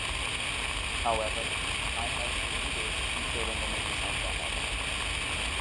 However "I Have Dreamed" is featured on the movie soundtrack album.